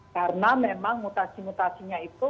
karena memang mutasi mutasinya itu